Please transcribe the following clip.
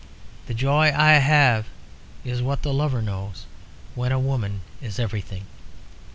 The joy I have is what the lover knows when a woman is everything.